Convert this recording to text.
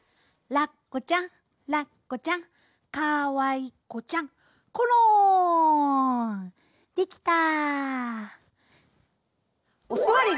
「ラッコちゃんラッコちゃんかわいこちゃんころん」できた。